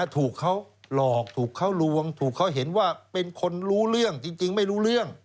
ถูกเขาหลอกถูกเขาลวงถูกเขาเห็นว่าเป็นคนรู้เรื่องจริงไม่รู้เรื่อง